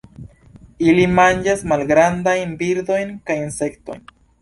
Ili manĝas malgrandajn birdojn kaj insektojn.